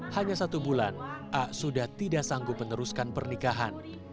hanya satu bulan a sudah tidak sanggup meneruskan pernikahan